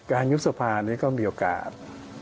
การยุทธภาพนี้ก็มีโอกาส